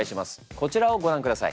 こちらをご覧ください。